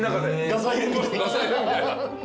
ガサ入れみたいな。